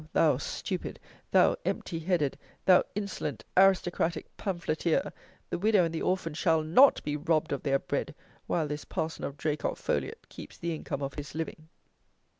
thou stupid, thou empty headed, thou insolent aristocratic pamphleteer, the widow and the orphan shall not be robbed of their bread, while this Parson of Draycot Foliot keeps the income of his living!